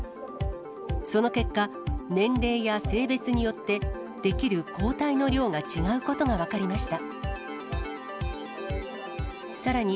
その結果、年齢や性別によって、出来る抗体の量が違うことが分かりました。